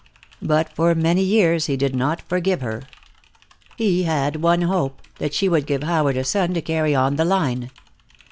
But for many years he did not forgive her. He had one hope, that she would give Howard a son to carry on the line.